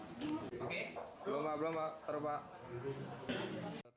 belum pak belum pak terima kasih